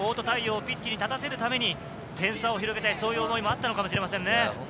太陽をピッチに立たせるために点差を広げて、そういう思いもあったのかもしれませんね。